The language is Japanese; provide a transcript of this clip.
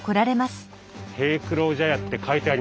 「平九郎茶屋」って書いてありますね。